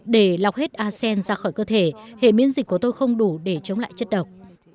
để lọc hết asean ra khỏi cơ thể hệ miễn dịch của tôi không đủ để chống lại chất độc